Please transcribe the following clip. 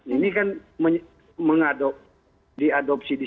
ini kan mengadopsi di